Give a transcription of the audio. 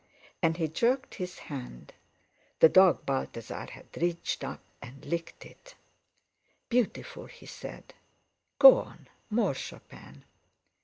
And he jerked his hand; the dog Balthasar had reached up and licked it. "Beautiful!" He said: "Go on—more Chopin!"